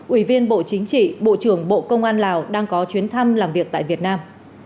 ủy viên bộ chính trị bộ trưởng bộ công an lào đang có chuyến thăm làm việc tại việt nam